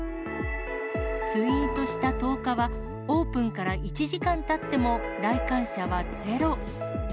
ツイートした１０日は、オープンから１時間たっても来館者はゼロ。